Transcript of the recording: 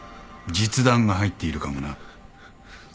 実弾が入っているかもな。